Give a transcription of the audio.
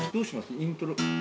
イントロ。